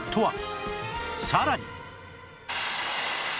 さらに